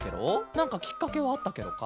なんかきっかけはあったケロか？